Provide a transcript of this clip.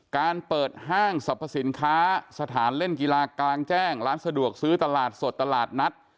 การเปิดห้างสรรพสินค้าสถานเล่นกีฬากลางแจ้งร้านสะดวกซื้อตลาดสดตลาดนัด